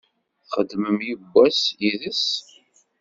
Txedmem yewwas yid-s?